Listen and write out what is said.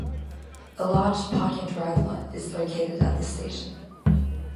A large park and ride lot is located at this station.